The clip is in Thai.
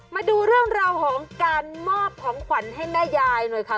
มาดูเรื่องราวของการมอบของขวัญให้แม่ยายหน่อยค่ะ